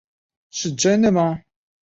是真的吗？